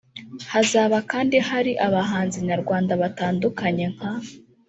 Hazaba kandi hari abahanzi nyarwanda batandukanye nka